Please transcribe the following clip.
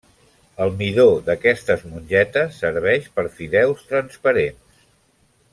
El midó d'aquestes mongetes serveix per fideus transparents.